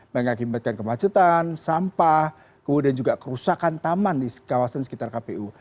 mengakibatkan kemacetan sampah kemudian juga kerusakan taman di kawasan sekitar kpu